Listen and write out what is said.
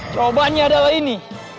jawabannya adalah ini